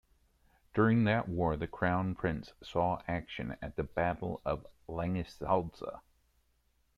During that war, the Crown Prince saw action at the Battle of Langensalza.